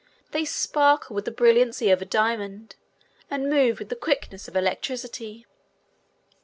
They sparkle with the brilliancy of a diamond and move with the quickness of electricity.